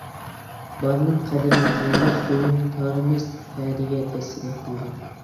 بارىنىڭ قەدرىنى قىلمىغاچ بۈگۈن، تارىمىز پەدىگە دەسسىدى قىڭغىر.